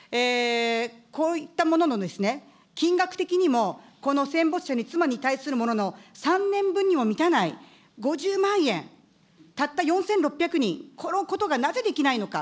こういったものの金額的にも、この戦没者に妻に対するものの３年分にも満たない５０万円、たった４６００人、このことがなぜできないのか。